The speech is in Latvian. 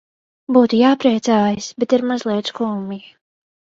Būtu jāpriecājas, bet ir mazliet skumji.